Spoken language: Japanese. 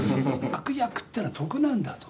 悪役っていうのは得なんだと。